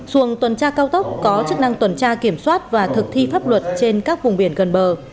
xuồng tuần tra cao tốc có chức năng tuần tra kiểm soát và thực thi pháp luật trên các vùng biển gần bờ